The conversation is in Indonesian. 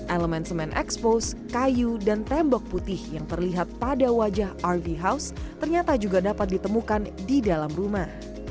elemen semen expose kayu dan tembok putih yang terlihat pada wajah rv house ternyata juga dapat ditemukan di dalam rumah